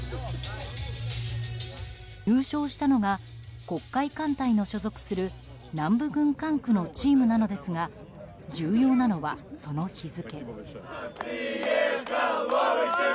優勝したのが黒海艦隊の所属する南部軍管区のチームなのですが重要なのは、その日付。